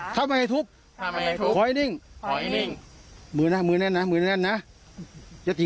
แรงแรงแรงแรงแรงขึ้นแรงขึ้นแรงกว่านี้แรงกว่านี้